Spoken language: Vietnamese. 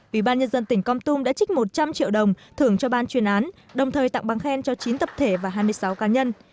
ủy ban nhân dân tỉnh con tum đã trích một trăm linh triệu đồng thưởng cho ban chuyên án đồng thời tặng bằng khen cho chín tập thể và hai mươi sáu cá nhân